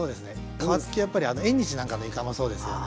皮付きはやっぱり縁日なんかのいかもそうですよね。